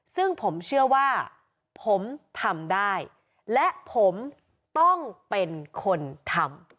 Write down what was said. ซึ่งผมเชื่อว่าผมทำได้และผมต้องเป็นคนทำ